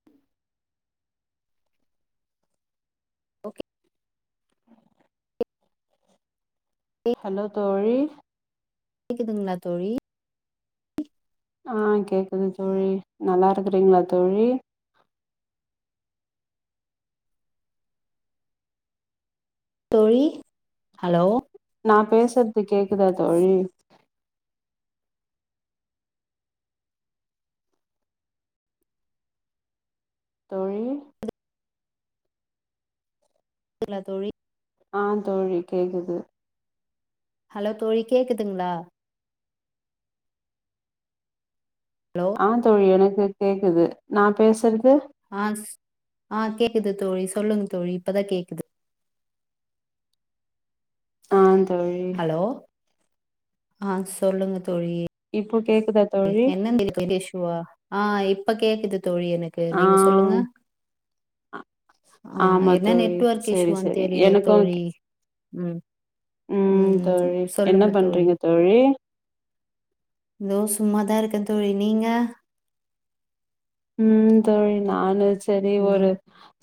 [inaudible] Okay உ hello தோழி கேக்குதுங்களா தோழி ஆ கேக்குது தோழி நல்லா இருக்கிறீங்ளா தோழி தோழி ஹலோ நா பேசுறது கேக்குதா தோழி தோழி கேக்குங்ளா தோழி ஆ தோழி கேக்குது ஹலோ தோழி கேக்குதுங்களா ஹலோ ஆ தோழி எனக்கு கேக்குது நா பேசுறது ஆஸ் ஆ கேக்குது தோழி சொல்லுங்க தோழி இப்பதா கேக்குது ஆ தோழி ஹலோ ஆ சொல்லுங்க தோழி இப்போ கேக்குதா தோழி என்னன் [unintelligible] இஷ்ஷூவா ஆ இப்ப கேக்குது தோழி எனக்கு ஆ நீங்க சொல்லுங்க ஆஹ் ஆமா என்ன தோழி நெட்ஒர்க் செரி இஸுவான்னு செரி தெரில எனக்கு தோழி ம் ம் தோழி என்ன பண்றீங்க தோழி தோ சும்மாதா இருக்கே தோழி நீங்க ம் தோழி நானு சரி ஒரு ம்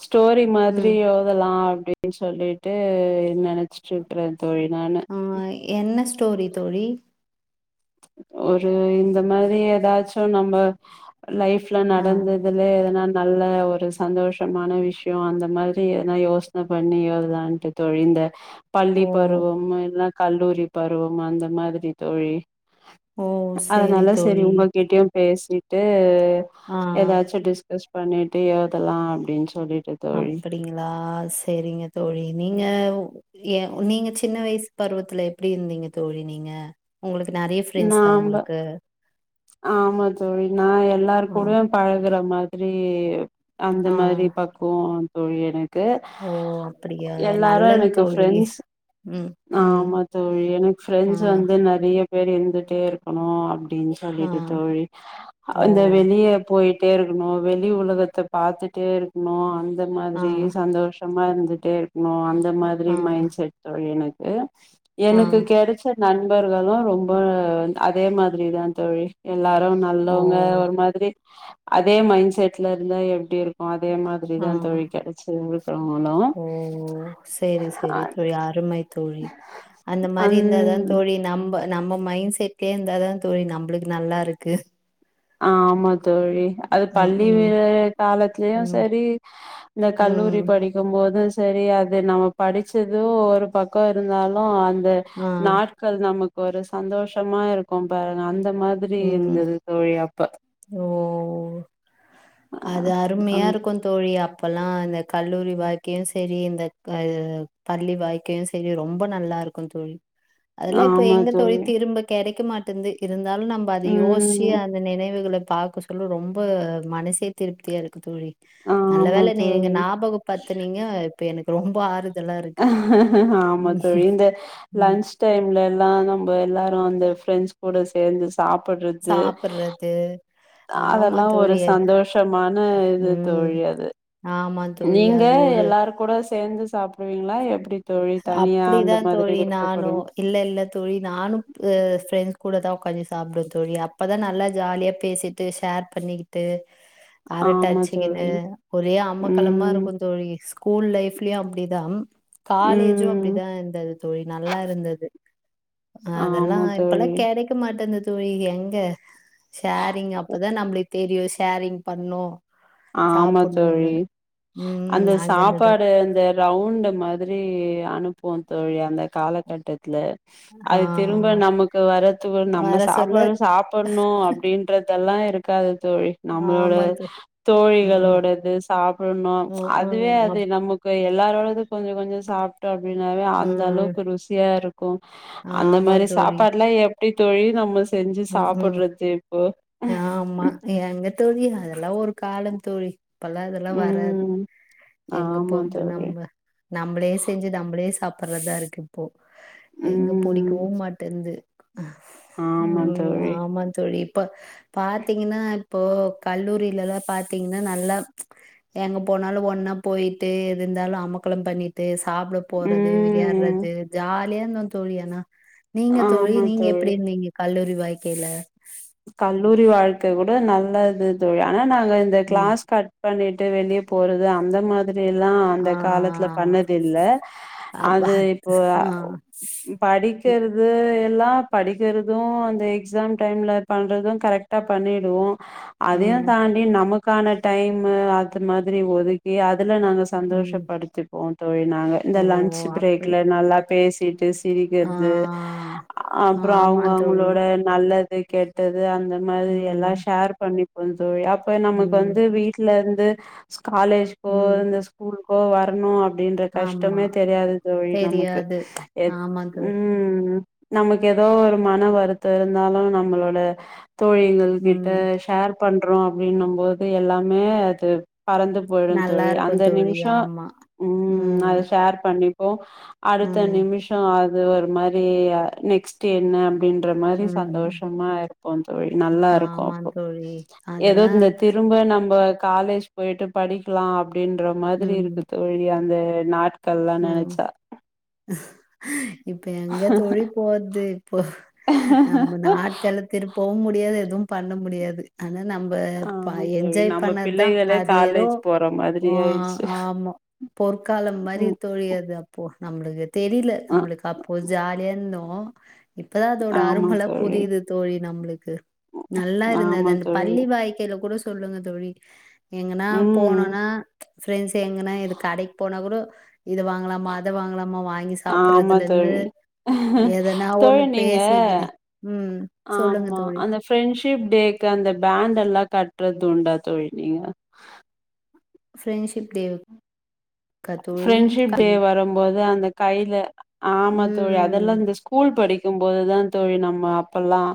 ஸ்டோரி மாதிரி ம் ஓ அதலா அப்டின்னு சொல்லிட்டு நினச்சிட்டு இருக்கறே தோழி நானு ஆ என்ன ஸ்டோரி தோழி ஒரு இந்த மாரி ஏதாச்சு நம்ம லைஃப்ல ஆ நடந்ததுலே எதனா நல்ல ஒரு சந்தோஷமான விஷ்யோ அந்த மாதிரி எதுனா யோசனை பண்ணி எழுதாலன்ட்டு தோழி இந்த பள்ளி ஓ பருவம் இல்லன கல்லூரி பருவம் அந்த மாதிரி தோழி ஓ சேரி அதனால சரி தோழி உங்க கிட்யும் பேசிட்டு ஆ ஏதாச்சு டிஸ்கஸ் பண்ணிட்டு எழுதலா அப்டின் சொல்லிட்டு தோழி அப்படிங்களா சரிங்க தோழி நீங்க ஏ நீங்க சின்ன வயஸ் பருவத்துல எப்டி இருந்தீங்க தோழி நீங்க உங்களுக்கு நிறைய ஃப்ரெண்ட்ஸா நாம்ப உங்களுக்கு ஆமா தோழி நா எல்லார் ஆ கூடயு பழகுற மாதிரி அந்த ஆ மாரி பக்குவோ தோழி எனக்கு ஓ அப்படியா எல்லாரு நல்லது எனக்கு தோழி ஃபிரெண்ட்ஸ் ம் ம் ஆமா தோழி எனக்கு ஆ ஃப்ரெண்ட்ஸ் வந்து நெறைய பேர் இருந்துட்டே இருக்கணு அப்டின்னு ஆ சொல்லிட்டு தோழி ஓ அந்த வெளிய போயிட் டே இருக்கணு வெளி உலகத்த பார்த்துட்டே இருக்கணு அந்த ஆ மாதிரி சந்தோஷ் ஷோம இருந்துட்டே இருக்கணு அந்த மாதிரி ஆ மைண்ட் செட் எனக்கு ஆ எனக்கு கிடைச் ச நண்பர்களு ரொம்ப அதே மாதிரி தா தோழி எல்லாரு ஓ நல்லவங்க ஒரு மாதிரி அதே மைண்ட் செட்ல இருந்தா எப்டி இருக்கு அதே மாதி ஆ ரிதா தோழி கெடைச்சுது மித்தவங்களும் சேரி சேரி தோழி அருமை தோழி அந்த மாதிரி இருந்ததா அந் தோழி நம்ம நம்ம மைண்ட் செட்லேயே இருந்தாதா தோழி நம்மளுக்கு நல்லா இருக்கு ஆமா தோழி அது ம் பள்ளி ம் வர காலத்திலயு ம் சரி இந்த ம் கல்லூரி படிக் இருக்கும் போதும் சரி அது நம்ம படிச்சது ஒரு பக்கொ இருந்தாலு அந்த ஆ நாட்கள் நமக்கு ஒரு சந்தோஷமா இருக்கும் பாருங்க அந்த மாதிரி ம் இருந்தது தோழி அப்ப ஓ அது அந் அருமையாருக்குந் தோழி அப்பலா இந்த கல்லூரி வாய்க்கையும் சரி இந்த அது பள்ளி வாய்க் க்கையு சரி ரொம்ப நல்லாருக்கும் தோழி அதல்லா இப்ப எங்க தோழி திரும்ப கெடைக்க மாட்டுது இருந்தாலு நம்ப அது யோஸ்ச் டி ம் அந்த நினைவுகள பாக்க சொல்ல ரொம்ப மனசே திருப்தியா இருக்கு தோழி நல்ல ஆமா வேல நீங்க தோழி நாபகப்படுத்துனீங்க இப்ப எனக்கு ரொம்ப ஆறு ஆமா தோழி இந்த ம் லன்ச் டைம்ல எல்லா நம்ப எல்லாரு அந்த ஃப்ரன்ட்ஸ் கூட சேந்து சாப்பட்றது சாப்புறது அதெல்லா ஒரு சந்தோஷமான இது ம் தோழி அது ஆமா தோழி. நீங்க அது ஒரு எல்லாரு கூட சேந்து சாப்டுவீங்ளா எப்டி தோழி தனியா அந்த அப்படிதான் மாதிரி தோழி விருப்பப்படு நானும். இல்ல இல்ல தோழி நானும் ஃப்ரெண்ட்ஸ் கூட தா உட்காஞ்ஞி சாப்டவ தோழி அப்பதா நல்ல ஜாலியா பேசிட் டு ஷேர் பண்ணிக்கிட் டு ஆமா அரட்டச்சக்கினு தோழி ஒரே அமக்கலமா ம் இருக்கூ தோழி கூல் லைஃப்லயு அப்டிதா காலேஜும் ம் அப்டிதான் இருந்தது தோழி நல்லா இருந்தது அதெல்லா ஆமா இப்பலா தோழி கெடைக் கக்க மாட்டேந்த தோழி எங்க ஷேரிங் அப்பதா நம்புளுக் தெரியு ஷேரிங் பண்ணூ ஆமா தோழி ம் அந்த அங்க இருந்துதான். சாப்பாடு அந்த ரவுண்டு மாதிரி அனுப்புவோ தோழி அந்த காலகட்டத்துல ஆ அது திரும்ப நமக்கு வரத்துகு நம்ம வர சொல்ல சாப்பாடு சாப் பன்னூ அப்டின்றதெல்லா இருக்காது தோழி நம்மளோட ஆமா தோ ம் தோழிகளோடது சாப்டணு ம் ம் அதுவே ம், அது அப் நமக் கு எல்லாரோடது கொஞ்ச கொஞ்சோ சாப் ட அப்டின்னாவே அந்த ம் அளவுக்கு ருசியா இருக்கூ அந்த ஆமா மாரி தோழி சாப்பாட்லா எப் எப்டி தோழி நம்ம செஞ்சு ம் ம் சாப்பட்றது இப்போ ஆமா எங்க தோழி அதெல்லா ஒரு காலந் தோழி இப்பல்லா அதெல்லா வராது ம் எங்க ஆமா போர்து தோழி நம்ம நம்பளே செஞ்சு நம்பளே சாப்பட்றதா இருக்கு இப்போ எங்க ம் புடிக்கவு மாட்டேந்து ஆமா ம் தோழி ஆமா தோழி இப்ப பாத்தீங்கன்னா இப்போ கல்லூரிலலா பாத்தீங்கன்னா நல்லா எங்க போனாலு ஒன்னா போயிட்டு இது இருந்தாலு அமக்களம் பண்ணிட்டு சாப்ட போறது ம் விளையாட்றது ஜாலியா இந்தோ தோழி ஆனா நீங்க தோழி ஆமா நீங்க தோழி எப்புடி இருந்தீங்க கல்லூரி வாய்க்கைல கல்லூரி வாழ்க்க கூட நல்லது தோழி ஆனா நாங்க இந்த ம் க்ளாஸ் கட் பண்ணிட்டு வெளிய போறது அந்த மாத் அது எல்லா அந்த ஆ காலத்துல பண்ணது இல்லை அப்ப அது இப்போ ஆ இ- படிக்கிறது எல்லா படிக்கிறது அந்த எக்ஸாம் டைம்ல பண்றது கரெக்டா பண்ணிடுவோ அதையும் ம் தாண் டி நமக்கான டைமு அது மாதிரி ஒதுக்கி அதுல நாங்க ம் சந்தோஷப்படுத்திப்போ தோழி நாங்க இந்த ஓ லன்ச் அப்டி பிரேக்ல நல்லா பேசிட்டு ஸ் ஆ சிரிக்கிறது அப்புற ஆமா அவுங்க தோழி அவுங்களோட நல்லது கெட் டது அந்த மாதிரி எல்லா ம் ஷேர் பண்ணிப்போ தோழி அப்ப நமக்கு ம் வந்து வீட் லந்து காலேஜ்கோ ம் இந்த ஸ்கூலுக்கோ வரணு அப் டின்ற ஆமா கஷ்டமே தெரியாது தோழி நமக்கு தெரியாது எப் ஆமா தோழி ம் நமக்கு எதோ ஒரு மன வருத்தம் இருந்தாலு நம்மளோட தோழிகள் கிட்ட ம் ஷேர் பண்றோ அப்படின்னும் போது எல்லாமே அது பறந்து போயிடு நல்லா தோழி இருக்கு அந்த தோழி நிமிஷ ஆமா ம் அது ஷேர் பண்ணி ப்போ அடுத்த ம் நிமிஷ அது ஒரு மாரி அ நெக்ஸ்ட் என்ன அப்டின்ற மாரி ம் சந்தோஷமா இரு க்கு தோழி நல்லா இருக்கு ஆமா அப்போ தோழி எதோ அதெல்லா இந்த திரு நம்ப நம்ப காலேஜ் போயிட்டு படிக்கலா அப்படின்ற மாதிரி ம் இருக்கு தோழி அந்த நாட் ப்ப ம் நெனச்சா இப்ப எங்க தோழி போறது இப்போ நம்ம நாட்கள திருப்பவும் முடியாது எதும் பண்ண முடியாது ஆனா நம்ப ப ஆமா தோழி என்ஜாய் நம்ம பண்ணதா பிள்ளைகளே அது எதோ காலேஜ் போற மாதிரி அ ஆயிடுச்சு ஆமா பொற்காலம் மாறி ம் தோழியது அப்போ நம்மளுக்கு தெரில அ நம்மளுக்கு அப்போ ஜாலியா இருந்தோ இப்பதா அதோட ஆமா அருமலா தோழி புரிது தோழி நம்மளுக்கு நல்லா இருந்தது ஆமா அந்த தோழி பள்ளி வாழ்க்கையில கூட சொல்லுங்க தோழி எங்கனா ம் போனோனா ஃப்ரெண்ட்ஸ் எங்கனா இது கடைக்கு போனா கூட இத வாங்கலாமா அத வாங்கலாமா வாங்கி ஆமா சாப்பட்றதுலருந்து தோழி எதனா ஒண்ணு தோழி நீங்க பேசிகின்னு ம் சொல்லுங்க ஆமா தோழி அந்த ஃப்ரெண்ட்ஷிப் டேக்கு அந்த பேண்ட் எல்லா கட்றது உண்டா தோழி நீங்க ஃப்ரெண்ட்ஷிப் டே க்கா தோழி ஃப்ரெண்ட்ஷிப் க- டே வரும்போது அந்த கையில ஆமா தோழி அது ம் அதெல்லா இந்த ஸ்கூல் படிக்கும்போதுதா தோழி நம்ம அப்பல்லாம்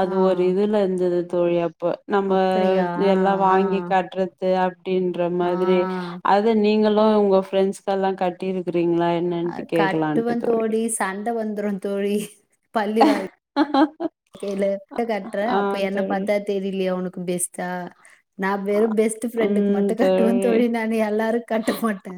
அது ஆ ஒரு இதுல இருந்தது தோழி அப்ப நம்ப அப்படியா எல்லா ஆ வாங்கி கட்றது அப்டின்ற ஆ மாதிரி அது நீங்களு உங்க ஃப்ரெண்ட்ஸ்க்கு எல்லா கட்டி இருக்கிறீங்களா அ கட்டுவேன் தோழி சண்டை வந்துரு தோழி பள்ளி வாழ் க்கைல கட்டுற ஆ அப்ப என்ன தோழி பாத்தா தெரிலையே உனக்கு பெஸ்ட்டா நா வெறும் பெஸ்ட் ஃப்ரெண்டுக்கு மட்டு கட்டுவன் தோழி நானு எல்லாருக் கட்ட மாட்டே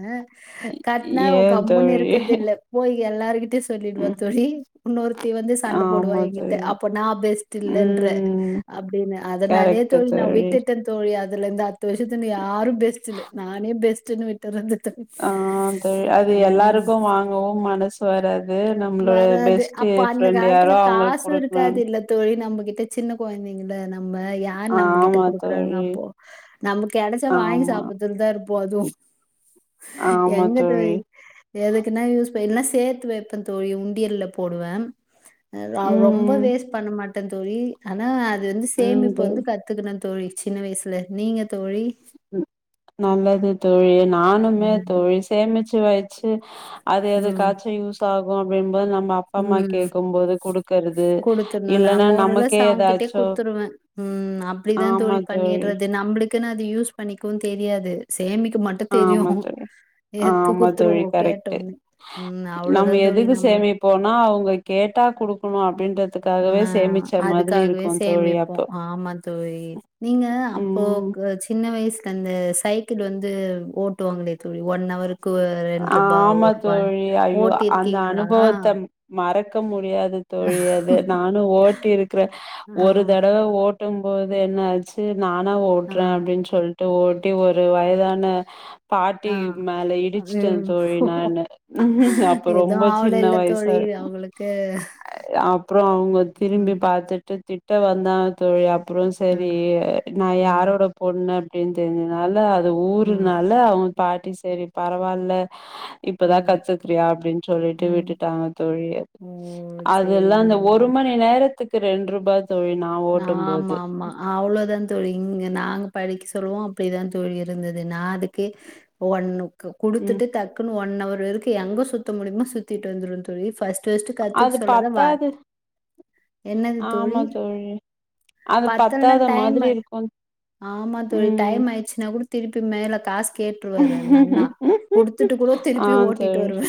கட்னா ஏ கம்முன்னு தோழி இருக்கறதில்ல போய் எல்லாருகிட் ட சொல்லிடுவா ம் தோழி இன்னொருத்தி வந்து சண்ட போடுவா ஆமா எங்கிட் ட தோழி அப்போ நா பெஸ்ட் இல்லன்ற ம் அப்டின்னு அதனாலே தோழி நா விட்டுட்டன் தோழி அதுல இருந்து அத்த வருஷத்துலந்து யாரு பெஸ்ட் இல நானே பெஸ்டுனு விட்டுரது தோழி ஆ அம் அப்போவு மனசு வராது நம்மளோட வராது. பெஸ்ட் அப்ப அந்த ஃப்ரெண்டு காலத்துல யாரோ அவுங்களுக்கு காசும் இருக்காது குடுக்கணுனு இல்ல தோழி நம்பகிட்ட சின்ன கொழந்தைங்கள நம்ம யார் நம்பகிட்ட ஆமா குடுக்குறாங்க தோழி அப்போ நம்மக்கு கடைச்சா வாங்கி ஆமா சாப்படுறதுலதா இருப்போ அதுவு ஆமா எங்கது தோழி எதுக்குன்னா யூஸ் ப என்னா சேர்த்து வைப்ப தோழி உண்டியல்ல போடுவ ரொம்ப ம் வேஸ்ட் பண்ண மாட்டே தோழி ஆனா அது வந்து ம் சேமிப்பு தோழி வந்து கத் கத்துக்குன தோழி சின்ன வயசுல நீங்க தோழி நல்லது தோழி நானுமே ம். தோழி சேமிச்சு வைச்சு அது ம். எதுக்காச்சும் யூஸ் ஆகு அப்டிம்போது நம்ம அப்பா அம்மா ம். கேக்குபோது குடுக்கறது குடுத்துர்ணு நா இல்லைன்னா மோரலஸ் நமக்கே அவங்கிட்டயே ஏதாச்சு குடுத்துருவே ம் அப்டிதா தோழி பண்ணிடுறது நம்மளுக்குன்னு அது யூஸ் பண்ணிக்கவு தெரியாது சேமிக்க மட்டு தெரியு ஆமா தோழி எத்து ஆமா தோழி குத்துருவோ கரெக்ட்டு கேட்டோனே ம் அவ்ளோதா நம்ம தோழி எதுக்கு நம்ப சேமிப் போனா அவங்க கேட்டா கொடுக்கணு அப்படின்றத் ஆ அதுக்காகவே தோழி சேமிப்போ அப்போ ஆமா தோழி நீங்க அப்போ ம் சின்ன வயசுக் அந்த சைக்கிள் வந்து ஓட்டுவாங்களே தோழி ஒன் அவரு ரெண்டுருபா ஆமா ஒரு ருபா தோழி ஐயோ ஓட்டி அந்த இருக்கீங்களா அனுபவத்த மறக்க முடியாது தோழி அத நா ஓட்டிருக்கிற ஆ ஒரு தடவை ஓட்டு போது என்ன ஆச்சு நானா ஆ ஓட்டுறே அப்டின்னு சொல்ட்டு ஓட்டி ஒரு வயதான பாட்டி ஆ. மேல இடிச் டிச்சிட்டே தோழி நா ம் என்ன அப்ப எதுவு ரொம்ப ஆவல சின்ன இல்ல வயசா தோழி இருக்கு அவங்களுக்கு அப்றோ அவங்க திரும்பி ம் பாத்துட்டு திட்ட வந்தாங்க தோழி அப்றோ அ சரி நா ம் யாரோட போண்னூ அப்டின்னு தெரி்ஞ்சனால அது ம் ஊருனால அவங்க பாட்டி சரி பரவால்ல இப்பதா ம் கத்துக்றியா அப்டின்னு சொல்லிட்டு ம் விட்டுட்டாங்க தோழி ஓ சேரி அதெல்லா இந்த ஒரு நல்லது மணி நேரத்துக்கு ரெண்டு ருபா தோழி நா ஆ ஓட்டும் போது ஆமாமா அவ்ளோதா தோழி இங்க நாங் படிக்க சொல்லுவோ அப்டிதா தோழி இருந்தது நா அதுக்கே ஒன்னுக்கு ம் குடுத்துட்டு தக்குன்னு ஒன் அவர் இருக்கு எங்க சுத்த மூடியுமோ சுத்திட்டு வந்துரும்னு தோழி ஃபர்ஸ் ரஸ்ட் அது கத்துக் சொல்லத வற பத்தாது என்னது தோழி அது பத்தலனா பத்தாத மாதிரி டைம்மு இருக்கு ஆமா தோழி ம் டைம் ஆயிச்சுனா கூட திருப்பி மேல காசு கேட்டுருவாரு அந்த அண்ணா குடுத்துட்டு கூட ஆ திருப்பி ஓட்டிட்டு தோழி வருவே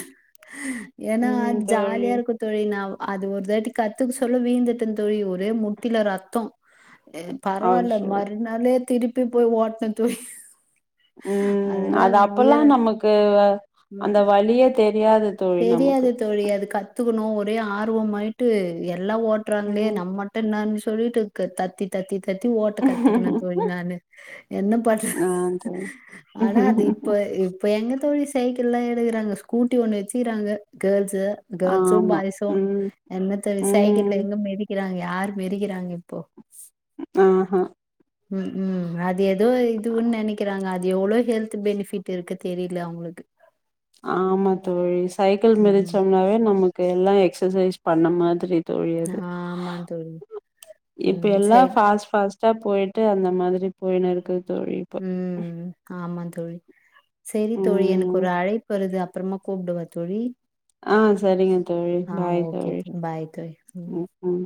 ஏன்னா ம் அத் தோழி ஜாலியா இருக்கு தோழி நா அது ஒரு தாட்டி கத்துக்க சொல்ல வீந்துட்ட தோழி ஒரே மு முட்டில ரத்தொ பரவால்ல அச்சோ மறுநாளே திருப்பி போய் ஓட்ன தோழி ம் அதெல்லா அது அப்பல்லா வீர நமக்கு ம் அந்த வழியே தெரியாது தோழி தெரியாது நமக்கு தோழி அது கத்துக்கணு ஒரே ஆர்வமாயிட்டு எல்லா ஓட்டுறாங்ளே ம் நம்ம மட் ட்ட நா சொல்லிட்டு தத்தி தத்தி தத்தி ஓட்ட கத்துக்கண தோழி நானு என்ன பண்றது ஆ தோழி ஆனா அது இப்ப இப்ப எங்க தோழி சைக்கிள் எல்லா எடுக்றாங்க ஸ்கூட்டி ஒண்ணு வச்சுக்கிறாங்க கேர்ள்ஸ்சு கேர்ள்ஸ்ஷோ ஆமா பாய்ஸ்ஷோ ம் என்ன தோழி சைக்கில ம் எங்க மிதிக் க்கிறாங்க யா மேறிகிறாங்க இப்போ ஆ ஹா ம் ம் அது ஏதோ இதுன்னு நெனைக்கிறாங்க அது எவ்ளோ ஹெல்த் பெனிஃபிட் இருக்கு தெரில அவங்களுக்கு ஆமா தோழி சைக்கிள் ம் ம் மிதிச்சோம்னாவே நமக்கு எல்லா எக்சர்சைஸ் பண்ண மாதிரி தோழி அது ஆமா தோழி இப்ப ம் எல்லா சரி பாஸ் பாஸ் ட்டா போயிட்டு அந்த மாதிரி போயின்னுருக்குது தோழி இப்ப ம் ஆமா தோழி செரி தோழி எனக்கு ம் ஒரு அழைப்பு வருது அப்றமா கூப்டவா தோழி ஆ சரிங்க தோழி ஆ பாய் ஓகே தோழி பாய் தோழி ம் ம்